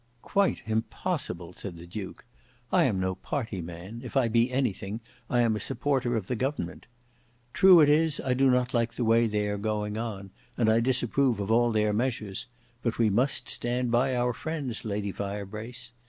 "Quite impossible," said the duke. "I am no party man; if I be anything, I am a supporter of the government. True it is I do not like the way they are going on, and I disapprove of all their measures; but we must stand by our friends, Lady Firebrace.